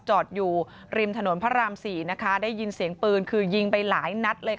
จอดอยู่ริมถนนพระราม๔นะคะได้ยินเสียงปืนคือยิงไปหลายนัดเลยค่ะ